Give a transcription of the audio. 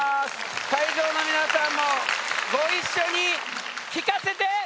会場の皆さんもご一緒に聞かせて。